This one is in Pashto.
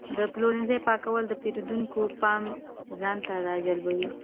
د پلورنځي پاکوالی د پیرودونکو پام ځان ته راجلبوي.